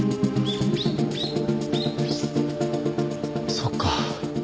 そっか。